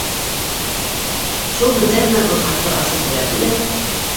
Шул һүҙҙәр менән ул хатты асып ебәрҙе лә: